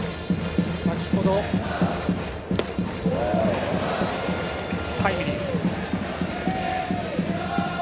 先程、タイムリー。